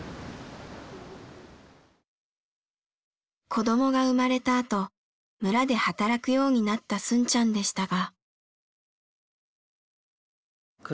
子どもが生まれたあと村で働くようになったスンちゃんでしたが。